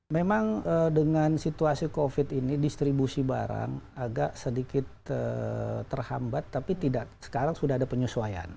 memang dengan situasi covid ini distribusi barang agak sedikit terhambat tapi tidak sekarang sudah ada penyesuaian